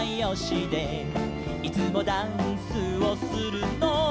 「いつもダンスをするのは」